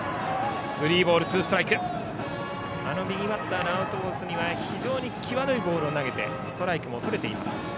右バッターのアウトコースには非常に際どいボールも投げてストライクもとれています。